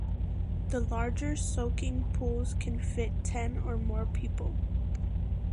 The larger soaking pools can fit ten or more people.